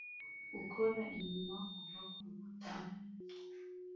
ukora inyuma kuva kurukuta